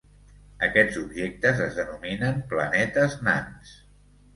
Aquests objectes es denominen planetes nans.